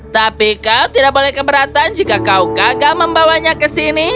tapi kau tidak boleh keberatan jika kau kagak membawanya kesini